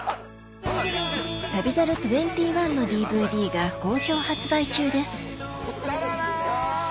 『旅猿２１』のＤＶＤが好評発売中ですサラダ！